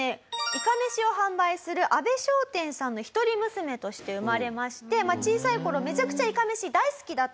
いかめしを販売する阿部商店さんの一人娘として生まれまして小さい頃めちゃくちゃいかめし大好きだったそうなんです。